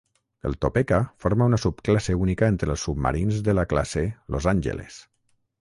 El "Topeka" forma una subclasse única entre els submarins de la classe "Los Angeles".